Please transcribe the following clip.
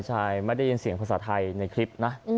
ใช่ไม่ได้ยินเสียงภาษาไทยในคลิปนะ